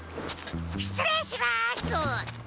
しつれいします！